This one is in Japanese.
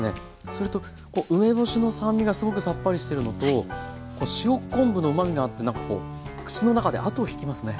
それと梅干しの酸味がすごくさっぱりしてるのと塩昆布のうまみがあって口の中で後を引きますね。